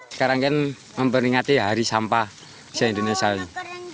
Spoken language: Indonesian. sekarang kan memperingati hari sampah di indonesia